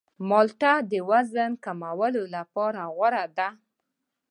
مالټه د وزن کمولو لپاره غوره ده.